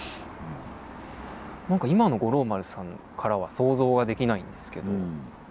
何か今の五郎丸さんからは想像ができないんですけど。